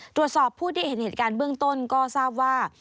ตรวจสอบผู้ที่เห็นเหตุการณ์เบื้องต้นก็ทราบว่า